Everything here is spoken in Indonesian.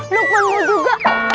lu mau juga